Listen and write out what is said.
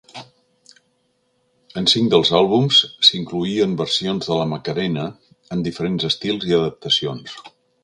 En cinc dels àlbums, s'incloïen versions de la "Macarena", en diferents estils i adaptacions.